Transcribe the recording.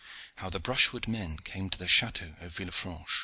HOW THE BRUSHWOOD MEN CAME TO THE CHATEAU OF VILLEFRANCHE.